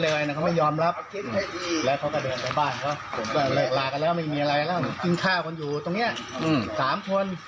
เลิกหลากแล้วไม่มีอะไรแล้วมันกินข้าวอยู่ตรงเนี่ย๓คน